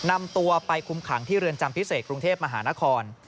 นำตัวไปคุมขังที่เรือนจำพิเศษกรุงเทพมหานคร